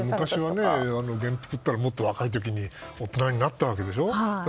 昔は、元服といったらもっと若い時に大人になったわけでしょ。